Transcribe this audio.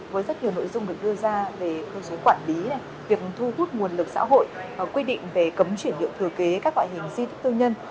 với rất nhiều nội dung được đưa ra về cơ chế quản lý việc thu hút nguồn lực xã hội quy định về cấm chuyển điệu thừa kế các loại hình di tích tư nhân